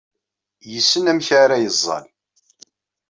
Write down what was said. Yessen amek ara yeẓẓal.